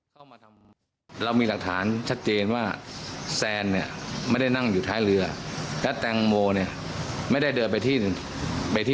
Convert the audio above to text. เพราะว่าคาวนัดเกี่ยวกับก่อนไป